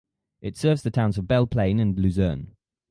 It serves the towns of Belle Plaine and Luzerne.